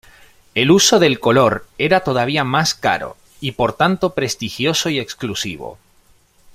El uso del color era todavía más caro, y por tanto prestigioso y exclusivo.